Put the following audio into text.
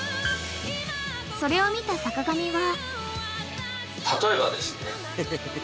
［それを見た坂上は］